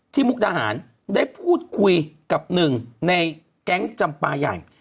มุกดาหารได้พูดคุยกับหนึ่งในแก๊งจำปลาใหญ่